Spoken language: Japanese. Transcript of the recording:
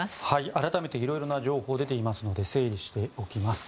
改めていろいろな情報が出ていますので整理しておきます。